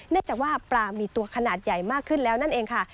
จากว่าปลามีตัวขนาดใหญ่มากขึ้นแล้วนั่นเองค่ะ